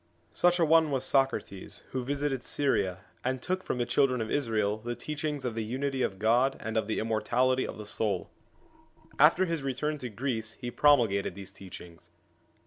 Such an one was Socrates, who visited Syria, and took from the children of Israel the teachings of the Unity of God and of the immor tality of the soul. After his return to Greece he pro mulgated these teachings.